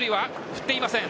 振っていません。